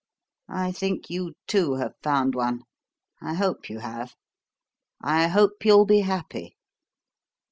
I think you, too, have found one. I hope you have. I hope you'll be happy.